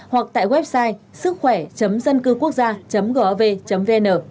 hoặc tại website sứckhoẻ dâncưquốcgia gov vn